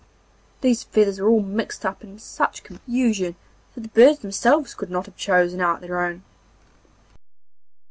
These feathers were all mixed up in such confusion that the birds themselves could not have chosen out their own.